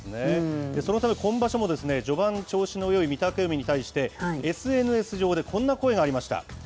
そのため、今場所も序盤、調子のよい御嶽海に対して、ＳＮＳ上でこんな声がありました。